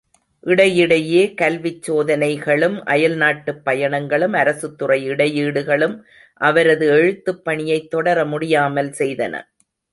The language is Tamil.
இடையிடையே கல்விச் சோதனைகளும், அயல்நாட்டுப் பயணங்களும் அரசுத்துறை இடையீடுகளும், அவரது எழுத்துப் பணியைத் தொடர முடியாமல் செய்தன.